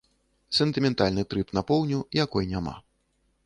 Сентыментальны трып на поўню, якой няма.